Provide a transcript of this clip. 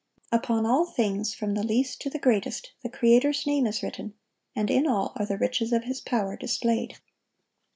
Upon all things, from the least to the greatest, the Creator's name is written, and in all are the riches of His power displayed.